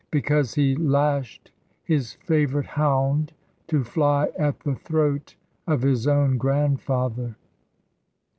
Because he lashed his favourite hound to fly at the throat of his own grandfather.